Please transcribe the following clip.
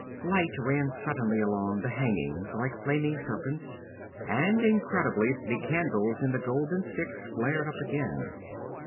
Light ran suddenly along the hangings like flaming serpents, and incredibly the candles in the golden sticks flared up again.